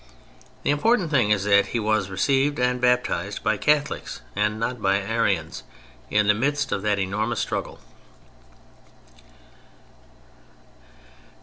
The important thing is that he was received and baptized by Catholics and not by Arians—in the midst of that enormous struggle.